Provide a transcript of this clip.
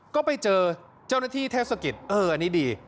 ก็ไปเจอเจ้าหน้าที่เทศกิจเอออันนี้ดี